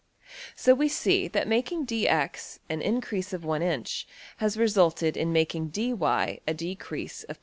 So we see that making $dx$ an increase of $1$~inch has resulted in making $dy$ a decrease of $0.